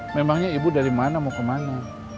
memangnya ibu dari mana mau kemana